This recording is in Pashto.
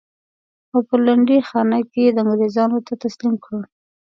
او په لنډۍ خانه کې یې انګرېزانو ته تسلیم کړل.